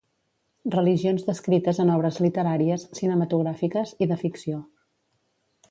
Religions descrites en obres literàries, cinematogràfiques i de ficció.